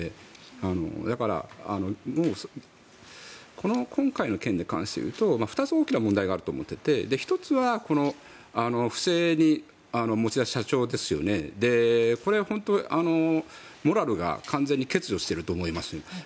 だから今回の件に関して言うと２つ大きな問題があると思っていて１つは不正に持ち出した社長ですよねこれ、本当、モラルが完全に欠如していると思います。